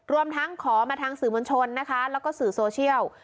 รวมทั้งขอมาทางสื่อมนชนและสื่อโซเชียล